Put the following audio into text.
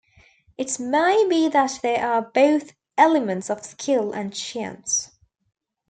It may be that there are both elements of skill and chance.